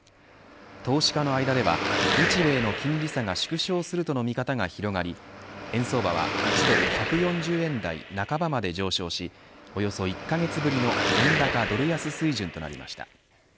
投資家の間では日米の金利差が縮小するとの見方が広がり円相場は、１ドル１４０円台半ばまで上昇しおよそ１カ月ぶりの円高、ドル安水準となりました。